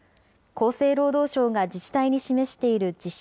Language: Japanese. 厚生労働省が自治体に示している実施